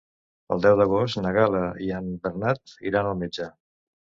El deu d'agost na Gal·la i en Bernat iran al metge.